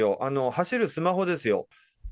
走るスマホですよ。